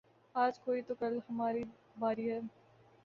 آج کوئی تو کل ہماری باری ہے